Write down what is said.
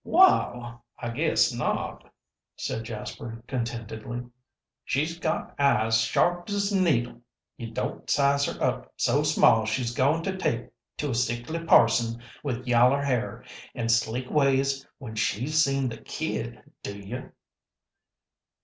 "Wal, I guess not," said Jasper, contentedly. "She's got eyes sharp's a needle. You don't size her up so small she's goin' to take to a sickly parson with yaller hair an' sleek ways when she's seen the Kid, do you?"